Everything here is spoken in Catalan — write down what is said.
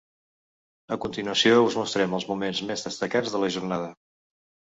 A continuació us mostrem els moments més destacats de la jornada.